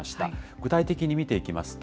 具体的に見ていきますと、